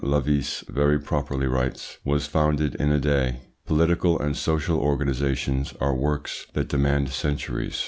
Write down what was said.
Lavisse very properly writes, "was founded in a day. Political and social organisations are works that demand centuries.